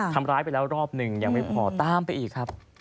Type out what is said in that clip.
ทำร้ายไปแล้วรอบหนึ่งยังไม่พอตามไปอีกครับ